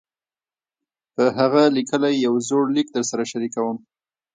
پۀ هغه ليکلے يو زوړ ليک درسره شريکووم -